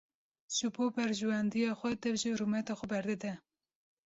Ji bo berjewendiya xwe dev ji rûmeta xwe berdide.